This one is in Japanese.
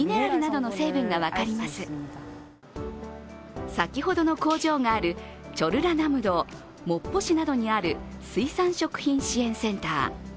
更に先ほどの工場があるチョルラナムド、モッポ市などにある水産食品支援センター。